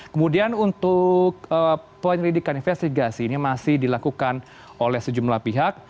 kemudian untuk penyelidikan investigasi ini masih dilakukan oleh sejumlah pihak